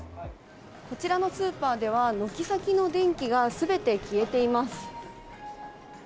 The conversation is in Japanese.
こちらのスーパーでは、軒先の電気がすべて消えています。